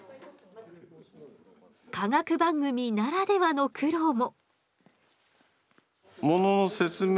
科学番組ならではの苦労も。